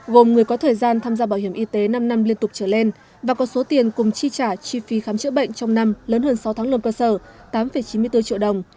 gồm người có thời gian tham gia bảo hiểm y tế năm năm liên tục trở lên và có số tiền cùng chi trả chi phí khám chữa bệnh trong năm lớn hơn sáu tháng lôm cơ sở tám chín mươi bốn triệu đồng